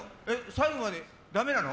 最後までダメなの？